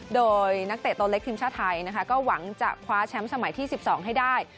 โดยนักเตะตัวเล็กทีมชาติไทยนะคะก็หวังจะคว้าแชมป์สมัยที่๑๒ให้ได้